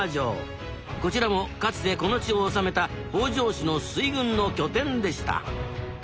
こちらもかつてこの地を治めた北条氏の水軍の拠点でした。